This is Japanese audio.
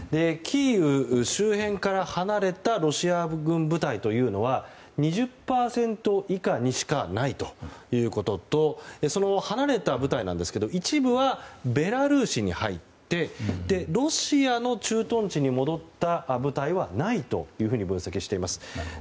キーウ周辺から離れたロシア軍部隊というのは２０％以下にしかないということとその離れた部隊なんですが一部はベラルーシに入ってロシアの駐屯地に戻った部隊はないというふうに分析しています。